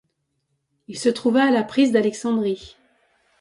Il se trouva à la prise d'Alexandrie.